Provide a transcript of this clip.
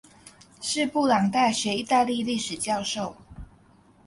是布朗大学意大利历史教授。